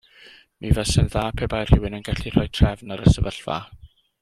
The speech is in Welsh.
Mi fuasai'n dda pe bai rhywun yn gallu rhoi trefn ar y sefyllfa.